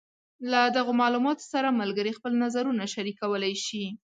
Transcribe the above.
له دغو معلوماتو سره ملګري خپل نظرونه شریکولی شي.